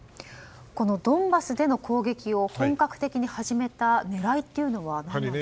このドンバスでの攻撃を本格的に始めた狙いというのは何なんですか。